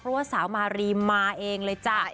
เพราะว่าสาวมารีมาเองเลยจ้ะ